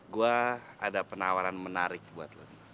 gue ada penawaran menarik buat lo